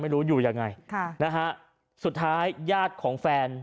อยู่ยังไงค่ะนะฮะสุดท้ายญาติของแฟน